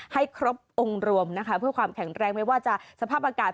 ให้ครบองค์รวมนะคะเพื่อความแข็งแรงไม่ว่าจะสภาพอากาศ